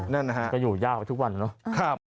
นั่นนะครับครับก็อยู่ยากว่าทุกวันเนอะ